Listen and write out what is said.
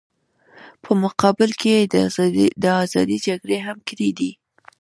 په مقابل کې یې د ازادۍ جګړې هم کړې دي.